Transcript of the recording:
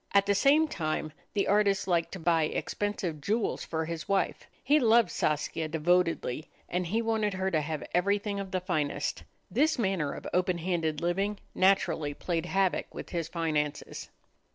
At the same time, the artist liked to buy expensive jewels for his wife. He loved Saskia devotedly, and he wanted her to have everything of the finest. This manner of open handed living naturally played havoc with his finances.